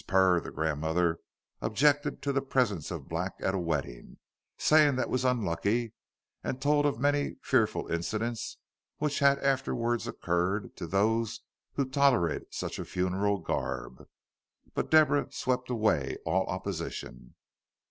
Purr, the grandmother, objected to the presence of black at a wedding, saying it was unlucky, and told of many fearful incidents which had afterwards occurred to those who had tolerated such a funeral garb. But Deborah swept away all opposition.